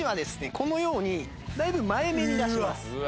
このようにだいぶ前めに出します。